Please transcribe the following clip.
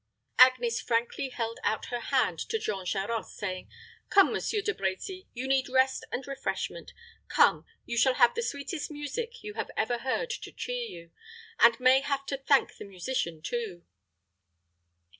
Agnes frankly held out her hand to Jean Charost, saying, "Come, Monsieur De Brecy, you need rest and refreshment. Come; you shall have the sweetest music you have ever heard to cheer you, and may have to thank the musician too."